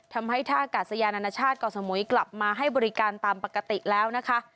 ทำให้ท่ากาศยานานาชาติเกาะสมุยกลับมาให้บริการตามปกติแล้วนะคะ